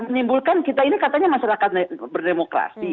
menimbulkan kita ini katanya masyarakat berdemokrasi